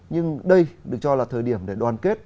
nhưng đây được cho là thời điểm để đoàn kết